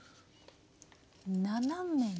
斜めに。